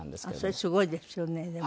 それすごいですよねでも。